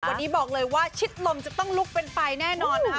วันนี้บอกเลยว่าชิดลมจะต้องลุกเป็นไฟแน่นอนนะคะ